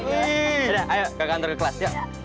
ayo ke kantor ke kelas